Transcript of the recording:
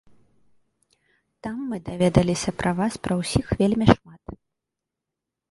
Там мы даведаліся пра вас пра ўсіх вельмі шмат.